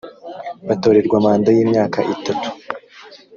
batorerwa manda y imyaka itatu